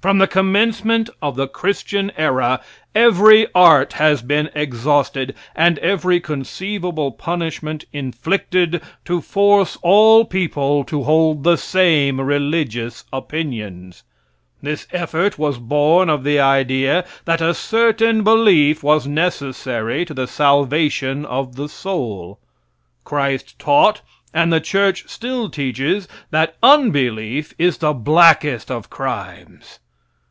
From the commencement of the Christian era, every art has been exhausted, and every conceivable punishment inflicted to force all people to hold the same religious opinions. This effort was born of the idea that a certain belief was necessary to the salvation of the soul. Christ taught, and the church still teaches, that unbelief is the blackest of crimes.